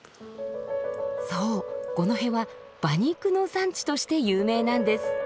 そう五戸は馬肉の産地として有名なんです。